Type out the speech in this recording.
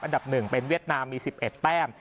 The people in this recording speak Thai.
อันดับ๑เป็นเวียดนามมี๑๑แต้ม